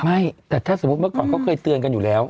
ไม่แต่ถ้าสมมุติเมื่อก่อนเขาเคยเตือนกันอยู่แล้ว